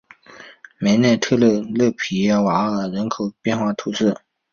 梅内特勒勒皮图瓦人口变化图示